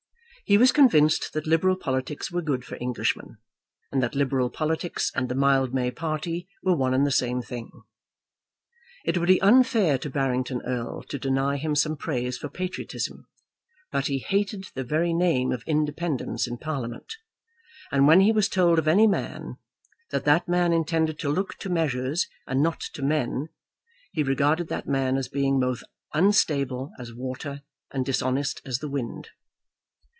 He was convinced that Liberal politics were good for Englishmen, and that Liberal politics and the Mildmay party were one and the same thing. It would be unfair to Barrington Erle to deny to him some praise for patriotism. But he hated the very name of independence in Parliament, and when he was told of any man, that that man intended to look to measures and not to men, he regarded that man as being both unstable as water and dishonest as the wind.